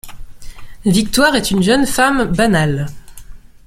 Victoire est une jeune femme banale.